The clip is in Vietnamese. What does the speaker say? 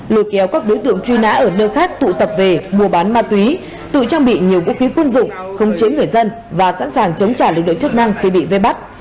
lôi kéo các đối tượng truy nã ở nơi khác tụ tập về mua bán ma túy tự trang bị nhiều vũ khí quân dụng không chế người dân và sẵn sàng chống trả lực lượng chức năng khi bị ve bắt